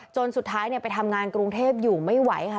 สุดท้ายไปทำงานกรุงเทพอยู่ไม่ไหวค่ะ